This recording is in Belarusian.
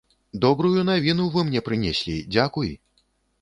Добрую навіну вы мне прынеслі, дзякуй!